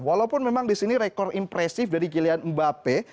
walaupun memang disini rekor impresif dari kylian mbappe